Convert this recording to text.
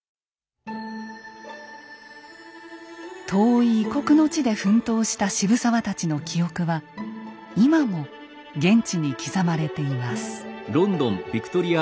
遠い異国の地で奮闘した渋沢たちの記憶は今も現地に刻まれています。